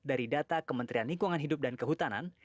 dari data kementerian lingkungan hidup dan kehutanan